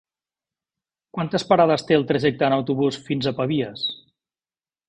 Quantes parades té el trajecte en autobús fins a Pavies?